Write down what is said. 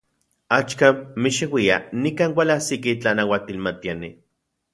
Axkan, mixeuia, nikan ualajsiki tlanauatilmatiani.